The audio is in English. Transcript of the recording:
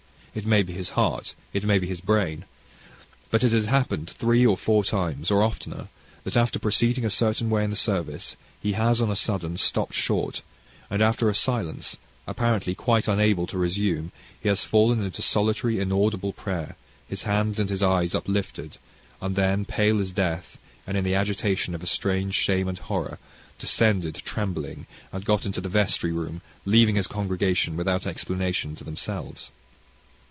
It may be his heart, it may be his brain. But so it has happened three or four times, or oftener, that after proceeding a certain way in the service, he has on a sudden stopped short, and after a silence, apparently quite unable to resume, he has fallen into solitary, inaudible prayer, his hands and his eyes uplifted, and then pale as death, and in the agitation of a strange shame and horror, descended trembling, and got into the vestry room, leaving his congregation, without explanation, to themselves.